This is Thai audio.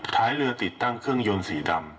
ท้ายเรือติดตั้งเครื่องยนต์สีดำ